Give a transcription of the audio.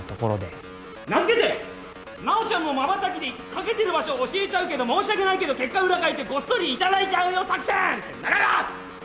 名付けて「直ちゃんのまばたきで賭けてる場所教えちゃうけども申し訳ないけど結果裏返ってごっそり頂いちゃうよ作戦」って長いわ！